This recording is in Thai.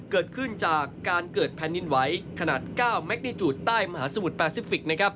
เกิดขึ้นจากการเกิดแผ่นดินไหวขนาด๙แมกนิจูตใต้มหาสมุทรแปซิฟิก